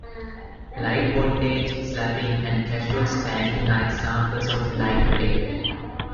Light bondage, slapping, and casual spanking are examples of light play.